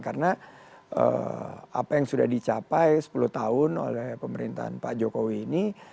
karena apa yang sudah dicapai sepuluh tahun oleh pemerintahan pak jokowi ini